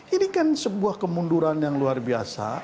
ini kan sebuah kemunduran yang luar biasa